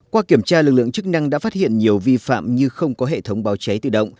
qua kiểm tra lực lượng chức năng đã phát hiện nhiều vi phạm như không có hệ thống báo cháy tự động